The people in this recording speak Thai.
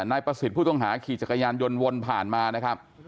นายประสิทธิ์ผู้ต้องหาขี่จักรยานยนต์วนผ่านมานะครับ